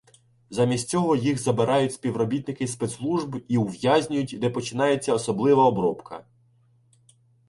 Замість цього їх забирають співробітники спецслужб і ув'язнюють, де починається особлива обробка.